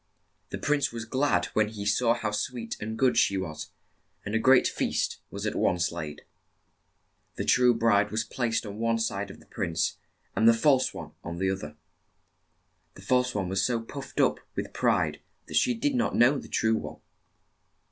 The prince was glad when he saw how sweet and good she was, and a great feast was at once laid. The true bride was placed on one side of the prince, and the false one on the oth er. The false one was so puffed up with pride that she did not know the true one.